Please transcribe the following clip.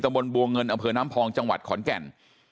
บนบัวเงินอำเภอน้ำพองจังหวัดขอนแก่น